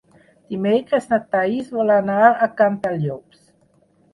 Dimecres na Thaís vol anar a Cantallops.